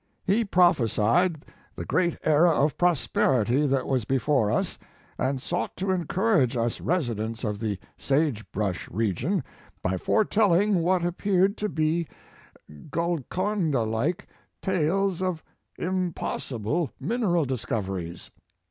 He prophesied the great era of prosperity that was before us and sought to encourage us residents of the sagebrush region by foretelling what Mark Twain appeared to be Golconda like tales of impossible mineral discoveries.